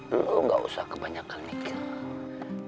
enggak usah kebanyakan mikir